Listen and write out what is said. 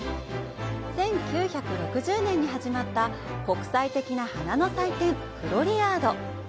１９６０年に始まった国際的な花の祭典・フロリアード。